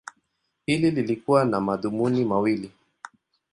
Hili lilikuwa na madhumuni mawili.